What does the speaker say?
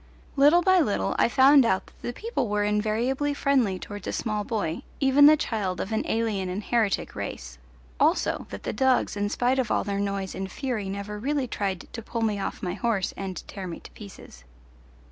Little by little I found out that the people were invariably friendly towards a small boy, even the child of an alien and heretic race; also that the dogs in spite of all their noise and fury never really tried to pull me off my horse and tear me to pieces.